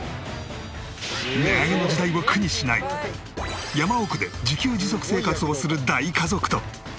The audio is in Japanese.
値上げの時代を苦にしない山奥で自給自足生活をする大家族と。